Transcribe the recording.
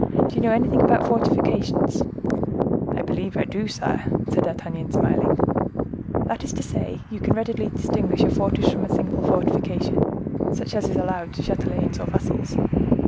Do you know anything about fortifications?" "I believe I do, sire," said D'Artagnan, smiling. "That is to say you can readily distinguish a fortress from a simple fortification, such as is allowed to chatelains or vassals?"